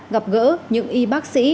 gặp gỡ những y bác sĩ